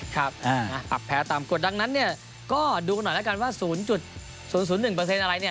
ครับปรับแพ้ตามกฎดังนั้นเนี่ยก็ดูกันหน่อยแล้วกันว่า๐๐๑อะไรเนี่ย